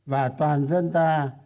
và toàn dân ta